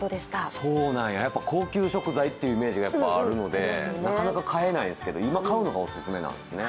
そうなんや、高級食材ってイメージがあるのでなかなか買えないですけど、今買うのがお勧めなんですね。